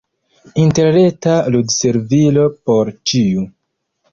Interreta ludservilo por ĉiu.